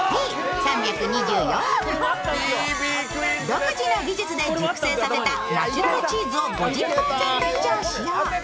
独自の技術で熟成させたナチュラルチーズを５０％以上使用。